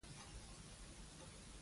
امان الله خان د قوانینو پابند و.